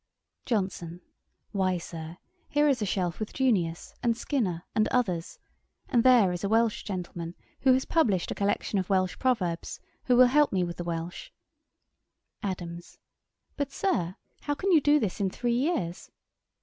JOHNSON. Why, Sir, here is a shelf with Junius, and Skinner, and others; and there is a Welch gentleman who has published a collection of Welch proverbs, who will help me with the Welch. ADAMS. But, Sir, how can you do this in three years?